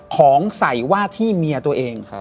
ของใส่ว่าที่เมียตัวเอง